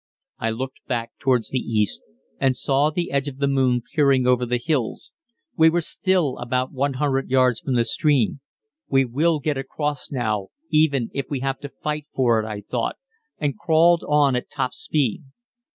I looked back towards the east, and saw the edge of the moon peering over the hills. We were still about 100 yards from the stream. We will get across now, even if we have to fight for it, I thought, and crawled on at top speed.